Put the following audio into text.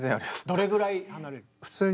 どれぐらい離れる？